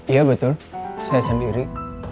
iya betul saya sendiri